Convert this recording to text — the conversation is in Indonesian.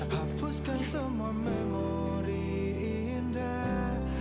hapuskan semua memori indah